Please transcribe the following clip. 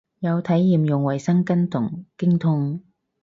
有體驗用衛生巾同經痛